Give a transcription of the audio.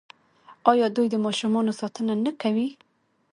آیا دوی د ماشومانو ساتنه نه کوي؟